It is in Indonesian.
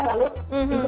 lalu pintunya ditemua